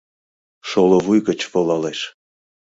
Шоло вуй гыч волалеш